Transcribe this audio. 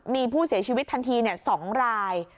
มีผู้เสียชีวิตทันที๒ราย